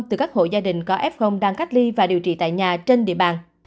từ các hộ gia đình có f đang cách ly và điều trị tại nhà trên địa bàn